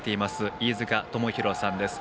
飯塚智広さんです。